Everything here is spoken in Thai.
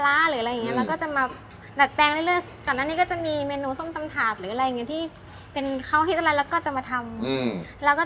แล้วก็จะมาทำแล้วก็จะมีเฟซบุ๊คส่วนตัว